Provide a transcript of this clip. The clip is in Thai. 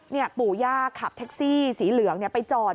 ปู่ย่าขับแท็กซี่สีเหลืองไปจอด